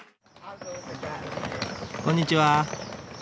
こんにちは。